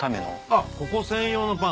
あっここ専用のパン。